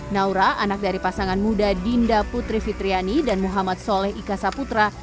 naura anak dari pasangan muda dinda putri fitriani dan muhammad soleh ika saputra